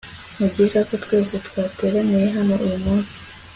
Nibyiza ko twese twateraniye hano uyumunsi